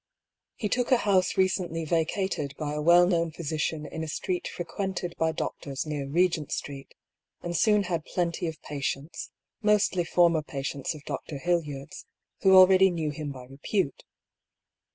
He took a house recently vacated by a well known physician in a street frequented by doctors near Regent Street, and soon had plenty of patients, mostly former patients of Dr. Hildyard's, who already knew him by repute.